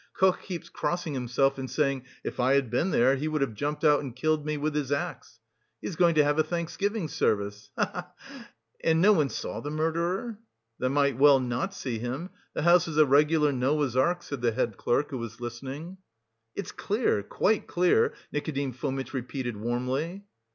Koch keeps crossing himself and saying: 'If I had been there, he would have jumped out and killed me with his axe.' He is going to have a thanksgiving service ha, ha!" "And no one saw the murderer?" "They might well not see him; the house is a regular Noah's Ark," said the head clerk, who was listening. "It's clear, quite clear," Nikodim Fomitch repeated warmly.